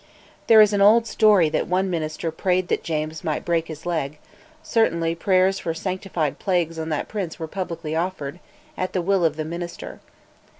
There is an old story that one minister prayed that James might break his leg: certainly prayers for "sanctified plagues" on that prince were publicly offered, at the will of the minister.